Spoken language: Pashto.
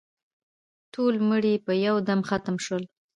ټول مړي په یو دم ختم شول.